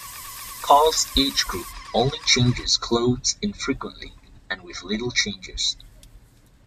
Carl's age group only changes clothes infrequently and with little changes.